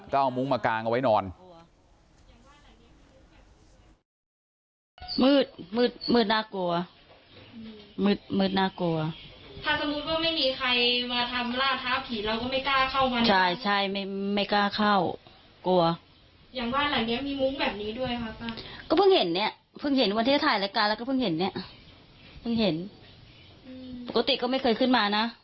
ก็เอามุ้งมากางเอาไว้นอน